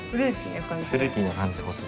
フルーティな感じ欲しい。